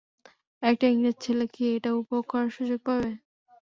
একটা ইংরেজ ছেলে কি এটা উপভোগ করার সুযোগ পাবে?